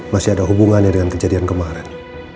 masih ada hubungannya dengan kejadian kemarin